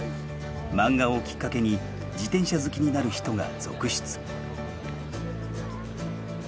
マンガをきっかけに自転車好きになる人が続出。